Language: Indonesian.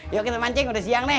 yuk kita mancing udah siang deh